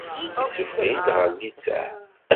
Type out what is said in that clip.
Issufeɣ-iyi-d ɣer litteɛ.